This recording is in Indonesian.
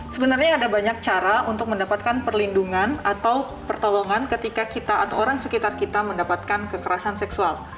sebenarnya ada banyak cara untuk mendapatkan perlindungan atau pertolongan ketika kita atau orang sekitar kita mendapatkan kekerasan seksual